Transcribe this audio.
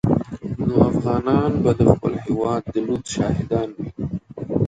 نو افغانان به د خپل هېواد د لوټ شاهدان وي.